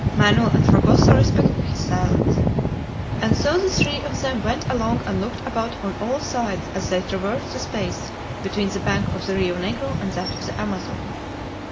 Manoel and Fragoso respected his silence. And so the three of them went along and looked about on all sides as they traversed the space between the bank of the Rio Negro and that of the Amazon.